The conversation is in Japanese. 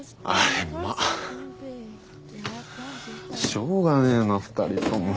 しょうがねえな２人とも。